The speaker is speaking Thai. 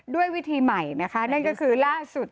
ด้วยวิธีใหม่นะคะนั่นก็คือล่าสุด